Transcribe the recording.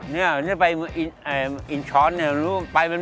นี่อาวุธเด่มแพสเข็มใช้